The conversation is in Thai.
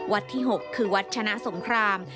ที่๖คือวัดชนะสงคราม